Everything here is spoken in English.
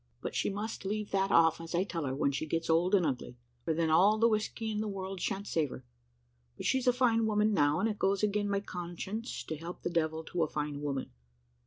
But she must leave that off, as I tell her, when she gets old and ugly, for then all the whisky in the world shan't save her. But she's a fine woman now, and it goes agin my conscience to help the devil to a fine woman.